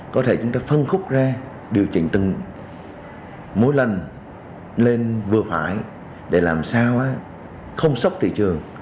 có thể chúng ta phân khúc ra điều chỉnh từng mỗi lần lên vừa phải để làm sao không sốc thị trường